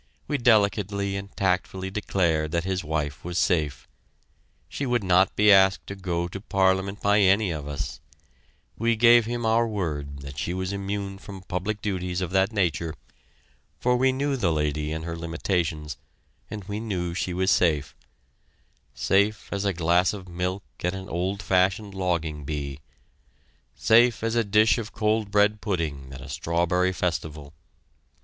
We delicately and tactfully declared that his wife was safe. She would not be asked to go to Parliament by any of us we gave him our word that she was immune from public duties of that nature, for we knew the lady and her limitations, and we knew she was safe safe as a glass of milk at an old fashioned logging bee; safe as a dish of cold bread pudding at a strawberry festival.